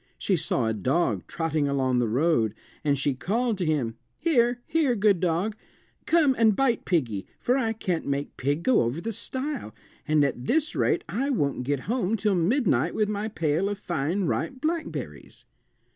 She saw a dog trotting along the road, and she called to him. "Here! here, good dog; come and bite piggy, for I can't make pig go over the stile, and at this rate I won't get home till midnight with my pail of fine ripe blackberries."